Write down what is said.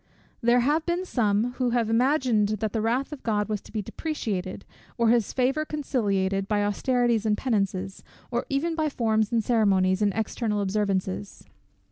There have been some who have imagined that the wrath of God was to be deprecated, or his favour conciliated, by austerities and penances, or even by forms and ceremonies, and external observances.